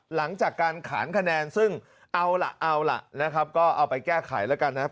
หลังจากการขานคะแนนซึ่งเอาล่ะเอาล่ะนะครับก็เอาไปแก้ไขแล้วกันนะครับ